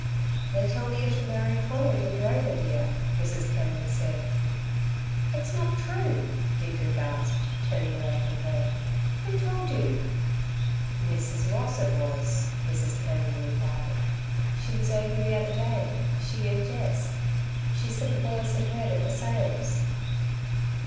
"They tell me you're to marry Conal, the drover, dear," Mrs. Cameron said. "It's not true!" Deirdre gasped, turning away from her. "Who told you?" "Mrs. Ross, it was," Mrs. Cameron replied. "She was over the other day ... she and Jess. She said the boys had heard at the sales."